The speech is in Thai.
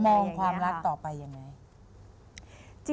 มองความรักต่อไปยังไง